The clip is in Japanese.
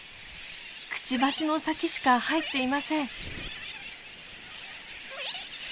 くちばしの先しか入っていません。